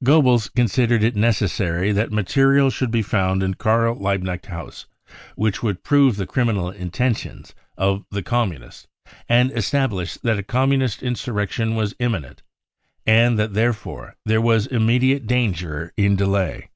the' REAL INCENDIARIES 83 " Goebbels considered it necessary that material should be found in Karl Liebknecht House which would prove the criminal intentions of the Communists and estab lish that a Communist insurrection was imminent and that therefore there was immediate danger in delay.